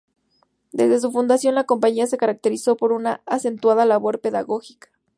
Desde su fundación la compañía se caracterizó por una acentuada labor pedagógica.